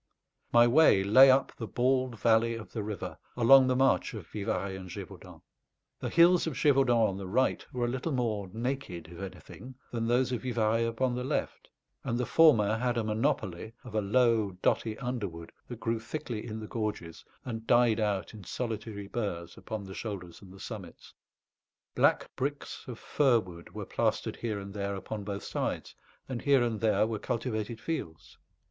My way lay up the bald valley of the river, along the march of Vivarais and Gévaudan. The hills of Gévaudan on the right were a little more naked, if anything, than those of Vivarais upon the left, and the former had a monopoly of a low dotty underwood that grew thickly in the gorges and died out in solitary burrs upon the shoulders and the summits. Black bricks of fir wood were plastered here and there upon both sides, and here and there were cultivated fields.